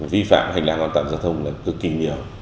vi phạm hành lang an toàn giao thông là cực kỳ nhiều